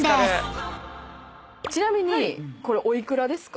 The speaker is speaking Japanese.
ちなみにこれお幾らですか？